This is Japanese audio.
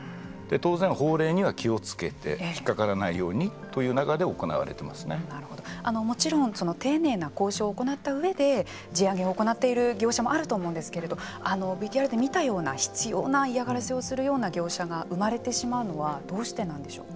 当然、法令には気をつけてひっかからないようにという中でもちろん丁寧な交渉を行ったうえで地上げを行っている業者もあると思うんですけれどＶＴＲで見たような執ような嫌がらせをするような業者が生まれてしまうのはどうしてなんでしょうか。